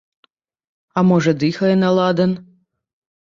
А можа, дыхае на ладан?